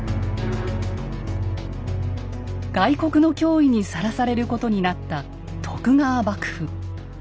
外国の脅威にさらされることになった徳川幕府。